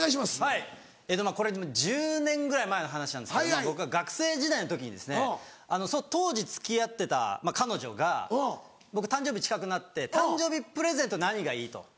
はいこれ１０年ぐらい前の話なんですけども僕が学生時代の時に当時付き合ってた彼女が僕誕生日近くなって「誕生日プレゼント何がいい？」と。